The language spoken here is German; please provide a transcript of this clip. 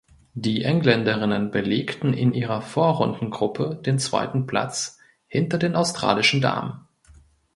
Die Engländerinnen belegten in ihrer Vorrundengruppe den zweiten Platz hinter den australischen Damen.